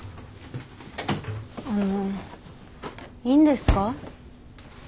あのいいんですか？